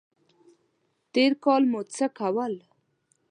تېر کال مو څه کول؟